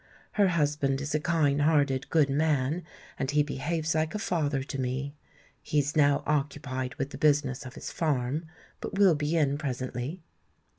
Her husband is a kind hearted, good man, and he behaves like a father to me. He is now occupied with the business of his farm, but will be in presently."